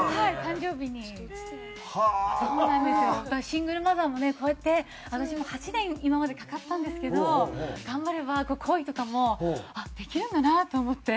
シングルマザーもねこうやって私も８年今までかかったんですけど頑張れば恋とかもできるんだなと思って。